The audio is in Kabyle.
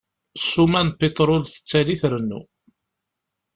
Ssuma n pitrul tettali trennu.